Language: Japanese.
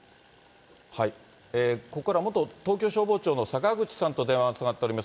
ここからは元東京消防庁の坂口さんと電話がつながっています。